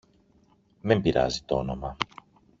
Δεν πειράζει τ' όνομα